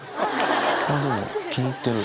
あっでも気に入ってる。